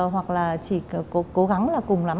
hoặc là chỉ cố gắng là cùng lắm